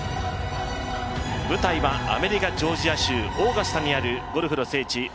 舞台はアメリカ・ジョージア州オーガスタにあるゴルフの聖地